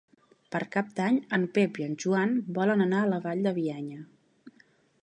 Per Cap d'Any en Pep i en Joan volen anar a la Vall de Bianya.